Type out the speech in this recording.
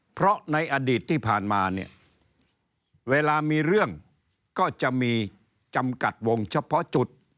เพราะในอดีตที่ผ่านมาเนี่ยเวลามีเรื่องก็จะมีจำกัดวงเฉพาะจุด